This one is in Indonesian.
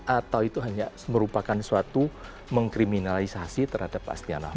atau itu hanya merupakan suatu mengkriminalisasi terhadap astiana ho